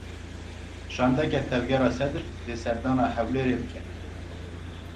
Şandeke Tevgera Sedr dê serdana Hewlêrê bike.